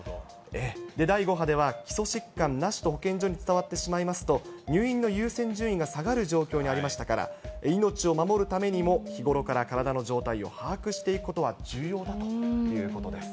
第５波では、基礎疾患なしと保健所に伝わってしまいますと、入院の優先順位が下がる状況にありましたから、命を守るためにも、日頃から体の状態を把握していくことは重要だということです。